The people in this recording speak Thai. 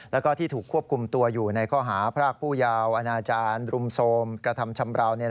แล้วก็ที่ถูกควบคุมตัวอยู่ในข้อหาพรากผู้ยาวอนาจารย์รุมโทรมกระทำชำราว